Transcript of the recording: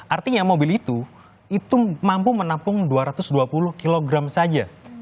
artinya mobil itu itu mampu menampung dua ratus dua puluh kilogram saja